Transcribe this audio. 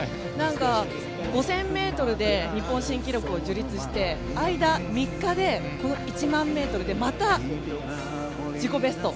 ５０００ｍで日本新記録を樹立して間３日で１００００ｍでまた自己ベスト。